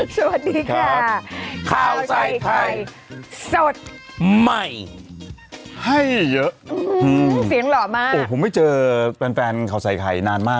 สวัสดีค่ะข้าวใส่ไข่สดใหม่ให้เยอะเสียงหล่อมากโอ้โหผมไม่เจอแฟนแฟนข่าวใส่ไข่นานมาก